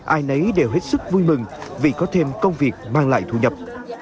ai nấy đều hết sức vui mừng vì có thêm công việc mang lại thu nhập